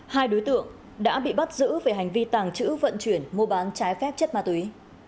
hai đối tượng đã bị bắt giữ về hành vi tàng trữ vận chuyển mua bán trái phép chất ma túy